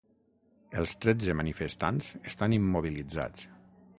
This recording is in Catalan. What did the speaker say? Els tretze manifestants estan immobilitzats